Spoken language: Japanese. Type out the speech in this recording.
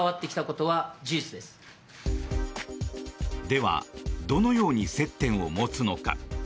ではどのように接点を持つのか。